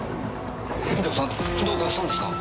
右京さんどうかしたんですか？